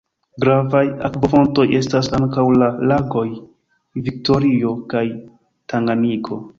Gravaj akvofontoj estas ankaŭ la lagoj Viktorio kaj Tanganjiko.